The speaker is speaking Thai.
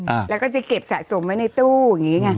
อ่าแล้วก็จะเก็บสะสมไว้ในตู้อย่างงี้ไง